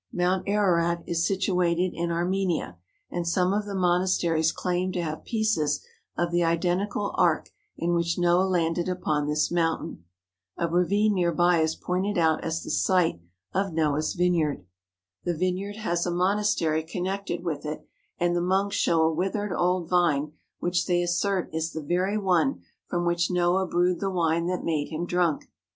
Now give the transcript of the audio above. Mount Ararat is situated in Armenia, and some of the monasteries claim to have pieces of the identical ark in which Noah landed upon this mountain. A ravine near by is pointed out as the site of Noah's vineyard. The vineyard has a mon astery connected with it, and the monks show a withered old vine which they assert is the very one from which Noah brewed the wine that made him drunk.